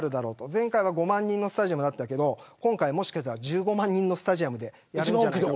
前回は５万人のスタジアムだったけど今回は、もしかしたら１５万人のスタジアムでやるんじゃないかと。